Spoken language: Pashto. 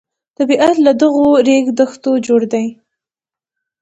طبیعت له دغو ریګ دښتو جوړ دی.